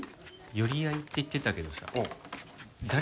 寄り合いって言ってたけどさ誰が来るの？